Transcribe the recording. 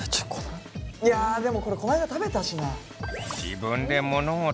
いやでもこれこの間食べたしな。